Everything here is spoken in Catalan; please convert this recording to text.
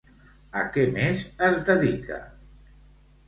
A què més es dedica?